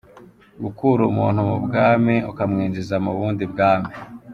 Gukura umuntu mu bwami ukamwinjiza mu bundi bwami.